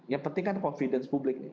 yang penting kan confidence publik nih